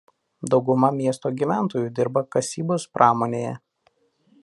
Dauguma miesto gyventojų dirba kasybos pramonėje.